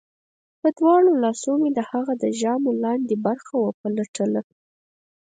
په دواړو لاسو مې د هغه د ژامو لاندې برخه وپلټله